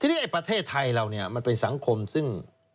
ทีนี้ไอ้ประเทศไทยเราเนี่ยมันเป็นสังคมซึ่ง